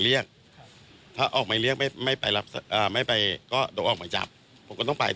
เห็นเขาคุยกับใครครับพี่